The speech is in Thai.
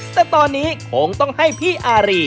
แต่ตอนนี้คงต้องให้พี่อารี